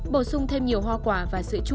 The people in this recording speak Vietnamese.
bổ sung thêm nhiều hoa quả và sữa chua